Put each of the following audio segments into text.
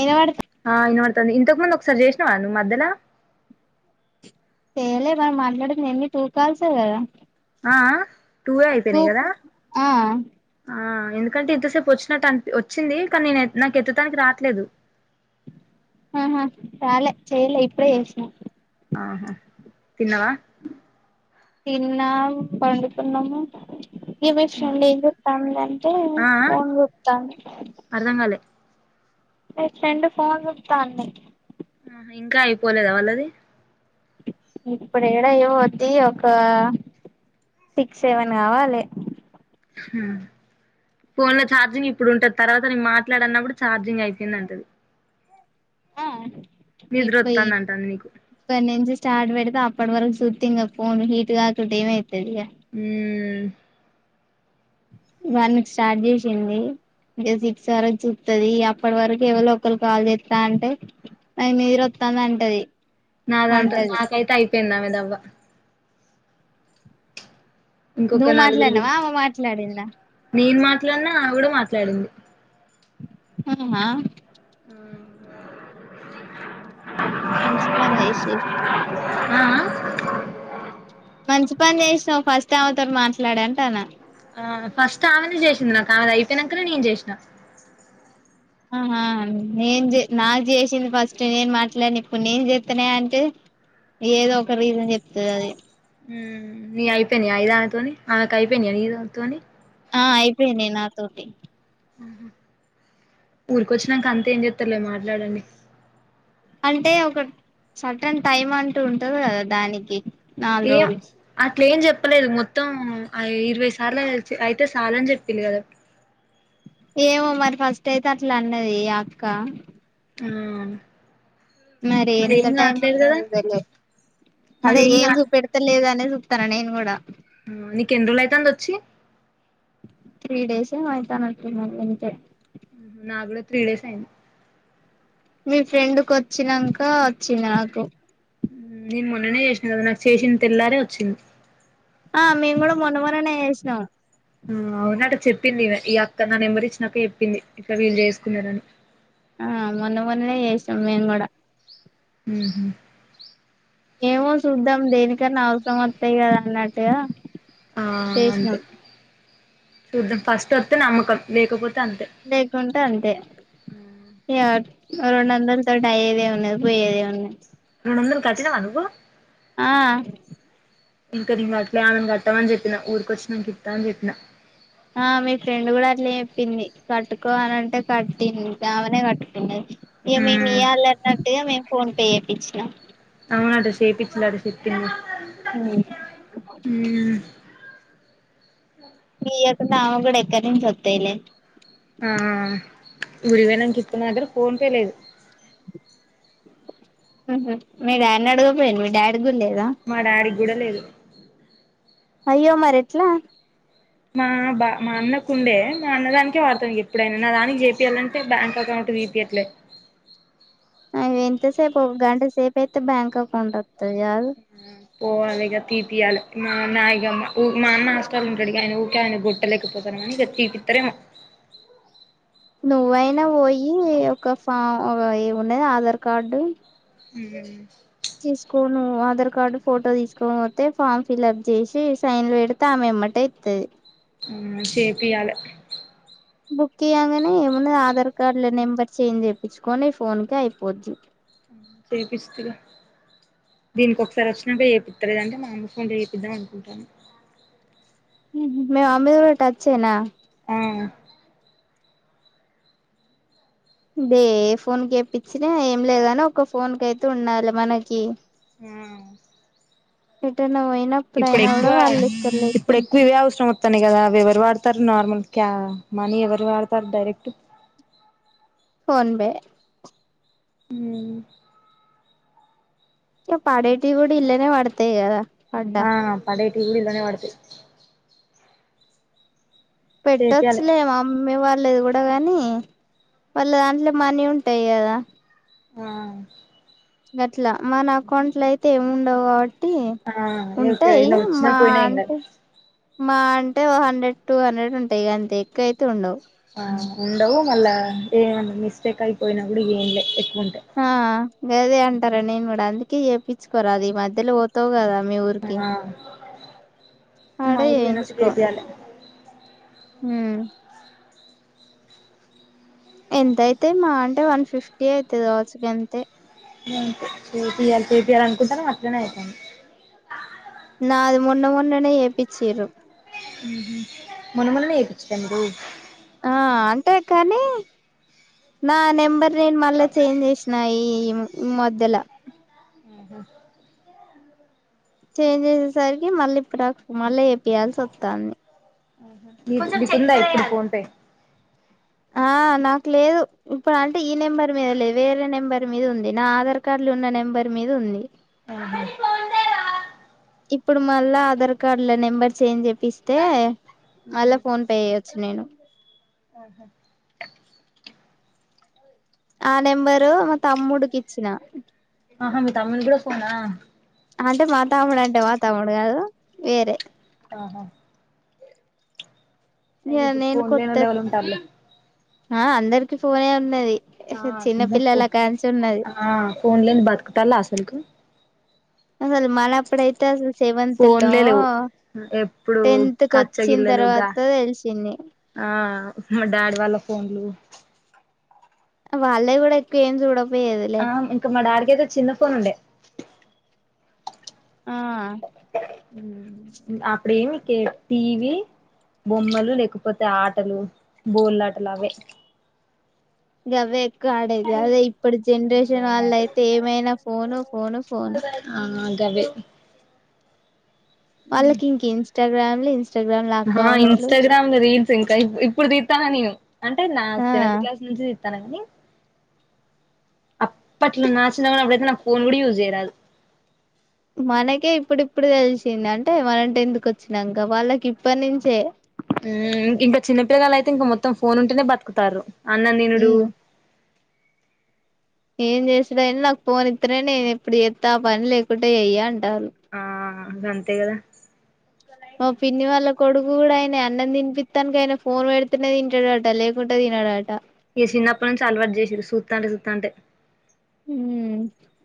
ఇనుపడు ఆ ఇనపడుతది ఇంతకు ముందు ఒకసారి చేసినవా నువ్వు మధ్యనా చేయలే మనం మాట్లాడింది ఏమి ట్రూకాల్సా లో కదా ఆ టూ అయిపోయినాయి కదా ఆ ఆ ఎందుకంటే ఇంతసేపు వచ్చినట్టు అనిపి వచ్చింది కానీ నేను నాకు ఎత్తడానికి రావట్లేదు ఆహా రాలే చేయలే ఇప్పుడే చేసినం ఆహా తిన్నవా తిన్న పండుకున్నము [unintelligible] ఏం చెప్తాండు అంటే ఆ ఫోన్ చేత్తాండు అర్ధం కాలే చేత్తాంటే ఫోన్ స్విచ్చాఫ్ మ్మ్ ఇంకా అయిపోలేదా వాళ్ళది ఇప్పుడు ఏడా ఏమవుద్ది ఒక సిక్స్, సెవెన్ కావాలి మ్మ్ ఫోన్ లో ఛార్జింగ్ ఇప్పుడు ఉంటది తర్వాత నేను మాట్లాడన్నప్పుడు ఛార్జింగ్ అయిపోయింది అంటది అవును నిద్ర వత్తంది అంటంది నీకు [inaudible] చాట్ పెడితే అప్పటి వరకు సూత్తే ఇంక పోన్ హీట్ గా గాకుండా ఏమయితది మ్మ్ మ్మ్ వన్ కి స్టార్ట్ చేసింది ఇక సిక్స్ వరకు చూత్తది అప్పటి వరకు ఎవలో ఒకలు కాల్ చేత్తా అంటే అవి మీరు వొత్తనంటది నాదంతా నాకైతే అయిపోయింది అవి దవ్వ ఇంకొక నువ్వు నలుగురు మాట్లాడినావా ఆమె మాట్లాడిందా నేను మాట్లాడినా ఆమే కూడా మాట్లాడింది మ్మ్ ఆ ఆ మంచి పని చేసిర్రు ఆ ఆ మంచి పని చేసినావు ఫస్ట్ ఆమెతోని మాట్లాడి అంటన్న ఆ ఫస్ట్ ఆమె నే చేేషింది నాకు ఆమెదైపోయినాక నేను చేసిన ఆహా నేను నాకు చేసింది ఫస్ట్ నేను మాట్లాడను ఇప్పుడు నేను చేత్తనే అంటే ఏదో ఒక రీజన్ చెప్తాది మ్మ్ నీవైపోయినాయి ఐదానతోని ఆమెకు అయిపోయినాయ నీదాన్ తోనీ ఆ అయిపోయినాయి నాతోటి ఆహ ఊరికొచ్చినాక అంతే ఏం చెత్తారులే మాట్లాడండి అంటే ఒక సటన్ టైమ్ అంటూ ఉంటది కదా దానికి నాలుగు ఏ అ రోజులు అట్లేం చెప్పలేదు మొత్తం ఇరవై సార్లు అయితే సాలని చెప్పింది కదా ఏమో మరి ఫస్ట్ అయితే అట్లా అన్నది ఈ అక్క మ్మ్ మరి ఎంత టైం ఉన్న మరి అదే ఏం కా చూపెడతలేదని అ నె జూతన నేన్ కూడా నీక ఎండ్రోళ అయితంది వచ్చి త్రీ డేస్ ఏ అవుతానట్టునది అంతే నాగూడా త్రీ డేస్ అయింది మీ ఫ్రెండ్కి వచ్నాకా వచ్చింది నాకు నేను మొన్ననే చేసినాను కదా నాకు చేసింది తెిల్లారే వచ్చింది ఆ మేము కూడా మొన్నమొననే చేసినాం ఆ అవునట చెప్పింది ఈ అక్క నా నెంబర్ ఇచ్చినాక చెప్పింది ఇలా వీళ్ళు చేసుకున్నరని ఆ మొన్న మొన్ననే చేసాం మేము కూడా ఆ ఏమో చూద్దాం దేనికన్నా అవసరం వస్తాయి కదా అన్నట్టుగా ఆ అంతే చేసినాం చూద్దాం ఫస్ట్ వస్తే నమ్మకం లేకపోతే అంతే లేకుంటే అంతే ఇ రెండు వందలు తోటి అయేదే ఉన్నాది పోయేదే ఉన్నాది రెండో వందలు కాట్టీన వ నువ్వు ఆ ఇంక అట్లే ఆమెన్ కట్టాని చెప్పిన ఊక వచ్చినను కితా అ చెప్పినా ఆ మీ ఫ్రెండ్ కూడా అట్లే చెప్పింది కట్టుకో అనింటే కట్టింది ఆమెనే కట్టుకుంది ఇ మేమి మ్మ్ ఇవ్యాలి అన్నట్టుగా మేము ఫోన్ పే చేపిచ్చినం అవున అద శేయిపించలా అద శప్పింది న ఎకు ఆ కూడా ఎక్కాడి ఒత్త ఇలే ఆ గుడివేనక ఇప్పుడు దగ్గర ఫోన్ పేలేదు మీ డాడ్ని అడగపోడి మీ డాడ్ గుడ లేదా గుడలేదు అయ్యో మరెట్లా మా బా మా అన్నకుండే మా అన్నదానికే వాడుతుాం ఎప్పుడైనా నా దానికి చేపియాలింటే బ్యాంక్ అకౌంట్ తీపియ్యట్లే అవి ఎంతసేపు ఒక గంట సేపు అయితే బ్యాంక్ అకౌంట్ ఒత్తది గాదు పోవాలిగా తీపియాలి మా నాగమ్ మా అన్న ఆస్టల్ ఉంటాడు ఆయన ఊకే ఆయన గోట్టలేకపో ముప్పతర మణి కట్టిటి తీపిత్తారెమో నువ్వైనా పోయి ఒక ఫా ఏముంన్నది ఆధార్ కార్డు అ తీసుకో ను్వు ఆధార్ కార్డు ఫోటో తీసుకోకపోతే ఫామ్ ఫిల్ప్ చేసి సైన్లు పెడితే ఆమె ఎమ్మాటై ఇత్తది ఉమ్ చెపియ్యాలి బుక్ ఇయ్యాంగానే ఏమున్నది ఆధార్ కార్డ్ల నెంబర్ చేయిం తెప్పించుకొని ఫోన్కి అయిపోద్ది చేపిస్తయిగా దీనికి ఒకసారి వచ్చినప్పుడు చేపిత్త పట్టలేదంటే మా అమ్మ ఫోన్ తో చేపిద్దాం అనుకుంటాను మేమే మమ్మీది గూడా టచ్చనా ఆవు అదే ఏ ఫోన్కి ఇప్పించినా ఏం లేదని ఒ ఫోన్ క అయితే ఉండాలి మనకి ఆ ఏంటన్నవోయినా ఇప్పుడు ఎక్కువ ఇప్పుడు ఎక్కువ ఇవే అవసరం తని కదా అవి ఎవరు వాడతారు నార్మల్ క మనీ ఎవరు వాడతారు డైరెక్ట్ ఫోన్పె అ పాడేటి కూడా ఇళ్లనే పడతాయి కదా పడ్డా ఆ పడటీ గూడా ఇల్లనే వడతాయి చేపియాలి పెట్టొచ్చులే అమ్మే వ పలేదు కూడా కానీ వాళ్ళ దాంట్లో మనీ ఉంటాయి గదా ఆ గట్లా మన అకౌంట్ లో అయితే ఏం ఉండవు కాబట్టి ట్టి ఆ ఓకే ఉంటాయి ఇలా వచ్చినా మా పోయినా ఏం కాదు అంటే మా అంటే ఓ హండ్రెడ్ టూ హండ్రెడ్ ఉంటాయి అంతె ఎక్కువ అయితే ఉండవు ఆ ఉండవు మళ్ళా ఏ మిస్టేక్ అయిపోయినా కూడా ఏంలే ఎక్కువ ఉంటే ఆ గదే అంటారా నేను కూడా అందుకె చేప్పిచ్చుకోరాదు ఈ మధ్యలో పోతావు కదా మీ ఊరికి ఆ ఆడ మా ఊరు పొయినప్పుడు చేపియాలె మ్ ఎంతయితే మా అంటే వన్ ఫిఫ్టీ అయితుది వాచుకి అంతే చేపియాలి చేపియ్యాలి అనుకుంటాను అట్లేనే అయితాంది నాది మొన్న మొన్ననే చేపిచ్చీర్రు మొన్న మొన్ననే చేపిచ్చీర మీరు ఆ అంతే కానీ నా నెంబర్ ర్ నేను మళ్ళా చేంజ్ చేషినా ఈ ఈ మధ్యలో ఆఓహా చేంజ్ చేసేసరికి మళ్ళీ ఇప్పుడు మళ్ళీ ఏప్పియాల్సి వస్తాంది మీకు ఉందా ఇప్పుడు ఫోన్ పే ఆ నాకు లేదు ఇప్పుడు అంటే ఈ నెంబర్ మీద లేదు వేరే నెంబర్ మీద ఉంది నా ఆధార్ కార్డ్లు ఉన్న నెంబర్ ర్ మీద ఉంది అ ఇప్పుడు మళ్ళా ఆధార్ కార్డ్ల నెంబర్ చేంజ్ చెపి స్తే అలాక్ ఫోన్ పే ఏయచ్చు నేను ఆఓహా ఆ నెంబరు మ తమ్ముడికి ఇచ్చిన ఆహా మీ తమ్మునిగుడా ఫోనా అంటే మా తమ్ముడు అంటే మా తమ్ముడు కాదు వేరే ఆహా అయిన ఇహ ఇప్పుడు నేను ఫోన్ లేనోళ్ళు కొత్తది ఎవలు ఉంటారులే ఆ అందరికి ఫోనే ఉన్నది ఆ చిన్న పిల్లల కాంచి ఉన్నది ఫోన్ లేని బత్కుటాల అసలు కి అసలు మనప్పుడ అయితే అసలు సెవెంత్ ల్లో ఫోన్లే లేవు ఎప్పుడు టెన్త్ కొచ్చిన కచ్చగిల్లలు గా తర్వాత తెలిసింది ఆ మా డాడీ వాళ్ళ ఫోన్లు వాళ్ళే కూడా ఎక్కువ ఏం చూడవు ఆ ఇంక మా డాడికయితే చిన్న ఫోన్ ఉండే ఆ అప్పుడేమి కే టీవి బొమ్మలు లేకపోతే ఆటలు బోల్లాటలు అవే గవ్వే గా ఆడేది అదే ఇప్పుటి జనరేషన్ వాళ్ళు అయితే ఏమైనా ఫోను ఫోను ఫోను గవ్వే వాళ్ళకింకి ఇన్స్టాగ్రామ్ ఇ ఇన్స్టాగ్రామ్ లొ రీల్ ఇంకా ఇప్పుడు తిత్తన నేను అంటే నా ఆ సెవెంత్ క్లాస్ నుంచి తిత్తను అనీ అప్పట్లా నా చిన్నవ అప్పుడైతె నాకు పోన్ కూడా యూస్ చేయరాదు మనకే ఇప్పుడిప్పుడు తెలిసింది అంటే మనం టెన్త్ కి వచ్చినాక వాళ్ళకి ఇప్పటి నుంచే మ్ ఇం ఇంక చిన్నపిల్లల అయితే ఇంక మొత్తం ఫోన్ ఉంటేనే బతుకుతారు అన్నం తినుడు ఉమ్ ఏం చేసుడు ఏం నాకు ఫోన్ ఇత్తె నేను ఎప్పుడు చేత్త ఆ పని లేకుంటె ఇయ్యా అంటారు ఆ అంతే కదా ఓ పిన్ని వాళ్ళ కొడుకు కూడా ఆయన అన్నం తినిపి తానికి ఆయన ఫోన్ పెడితేనే తింటాడుట లేకుంటడా తినడుట ఈ చిన్నప్పటి నుంచి అలవాటు చేసారు సూతా అంటే సూతా అంటే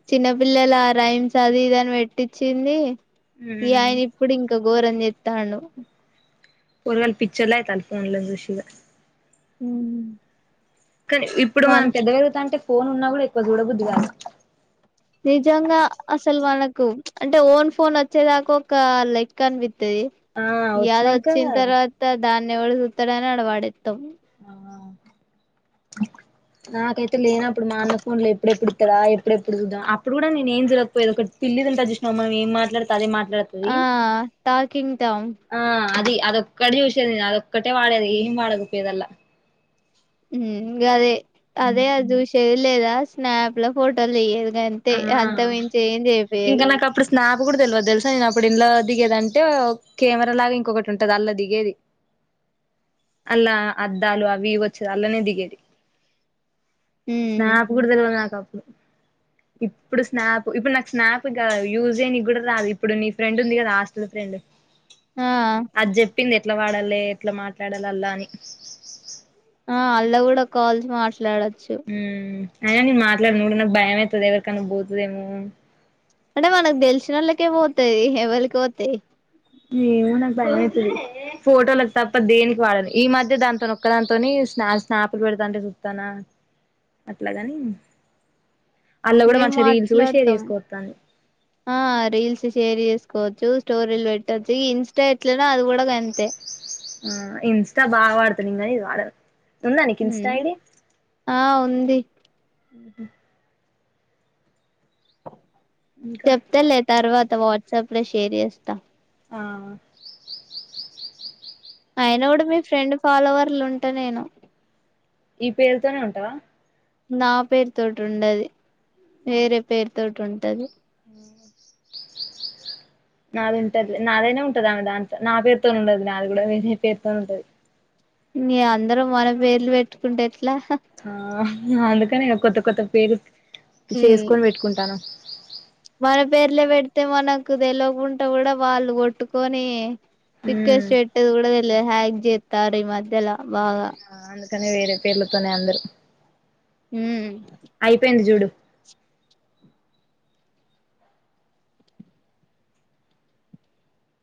చిన్నపిల్లల రైమ్స్ అది ఇదీని పెట్టించింది ఈ ఆయన ఇప్పుడు ఇంకా ఘోరం చెస్తాను పోరగాళ్లు పిచోళ్లు అయితాల్ ఫోన్ లో సూసింక్ ఉ కానీ ఇప్పుడు మనం పెద్ద వెరుగుత అంటే ఫోన్ ఉన్నా కూడా ఎక్కువ చూడబుద్ది కాదు నిజంగా అసలు వాళ్లకు అంటే ఓన్ ఫోన్ వచ్చేదాకా ఒక లెక్క అన్ విత్ ది ఆ ద వచ్చినాక వచ్చిన తర్వాత దాన్ని ఎవడు చూతాడని అడవాడేస్తాం ఆ నాకైతే లేనప్పుడు మా అన్న ఫోన్ ఎప్పుడెప్పుడు ఇస్తాడా ఎప్పుడెప్పుడుా అప్పుడు కూడా నేను ఏం జరగకపోయది ఒక పిల్లి ఉంటది చూసినవా మనం మాట్లాడు అదే మా ఆ టాకింగ్ టామ్ ఆ అది అదొక్కటి చూసేది నేను అదొక్కటే వాడేది ఏమి వాడకపోయదల్లా ఉమ్ గదే అదే అది చూసేది లేదా స్నాప్ లో ఫోటోలు దిగేది గంతే ఆ అంత మించి ఏం ఇంకా చేపియ్యదు నాకు అప్పుడు స్నాప్ కూడా తెలివదు తెలుసు నేను అప్పుడు ఇంలో దిగేదింటే కెమెరా లాగా ఇంకొకటి ఉంటది అందులో దిగేది అల్లా అద్దాలు అవి ఇవి వచ్చేది అందులోనే దిగేది ఉమ్ స్నాపు కూడా తెల్వదు అప్పుడు నాకు ఇప్పుడు స్నాప్ ఇప్పుడు నాకు స్నాప్ గా యూస్ చేయనికి కూడా రాదు ఇప్పుడు నీ ఫ్రెండ్ ఉంది కదా హాస్టల్ ఫ్రెండ్ ఆ అది చెప్పింది ఎట్లా వాడాలి ఎట్లా మాట్లాడాల అల్లా అని ఆ అల్లా కూడా కాల్స్ మాట్లాడోచ్ ఉ అయినా నేను మాట్లాడిన కూడా నా భయం అవుతుంది ఎవరికన్నా పోతుదేమో అంటే మనకు తెలిసిన వాళ్ళకే పోతాయి ఎవల్కి పోతాయి ఏమో నాకు భయ అయితది ఫోటోలకు తప్ప దేనికి వాడాలి ఈ మధ్య దాంతో ఒక్క దానింతోనే స్నాపలు పెడతాంటే చూతానా అట్లాగని మేము మాట్లాడతాం చేసుకోవతాను ఆ రీల్స్ షేర్ చేసుకోవచ్చ స్టోరీలు పెట్టొచ్చు ఇన్స్టా ఎట్లనే అది కూడా కంతే ఆ ఇన్స్టా బాగా వాడతా నికా ఇది వాడ ఉందా నీకు ఇన్స్టా ఉమ్ ఐడి ఆ ఉంది ఇంకా చెప్తాలే తర్వాత వాట్సాప్ లో షేర్ చేస్తా ఆ అయిన కూడా మీ ఫ్రెండ్ ఫాలోవర్లు ఉంటే నేను ఈ పేరుతోనే ఉంటావా నా పేరుతోటి ఉండది వేరే పేరుతోటి ఉంటది అ నాది ఉంటది నాదైనా ఉంటద ఆమె దాంతో నా పేరుతో ఉండదు నాది కూడా వేరే పేరుతో ఉంటది మీ అందరం మన పేర్లు పెట్టుకుంటే ఎట్లా ఆ అందుకని కొత్త కొత్త పేరు హ్మ్. చేసుకొని పెట్టుకుంటాన మన పేర్లే పెడితే మనకు తెలియకుండా కూడా వాళ్ళు కొట్టుకొని ఉమ్ రిక్వెస్ట్ పెట్టదు కూడా తెల్వదు హ్యాగ జెతా ఈ మధ్యలా ఆ అందుకనే వేరే పేర్లతోనే అందరు ఉమ్ అయిపోయింది చూడు